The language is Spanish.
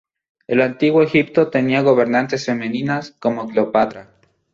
El Antiguo Egipto tenía gobernantes femeninas, como Cleopatra.